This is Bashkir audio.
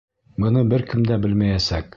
Быны бер кем дә белмәйәсәк.